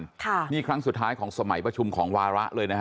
ค่ะนี่ครั้งสุดท้ายของสมัยประชุมของวาระเลยนะฮะ